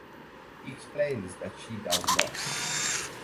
He explains that she does not.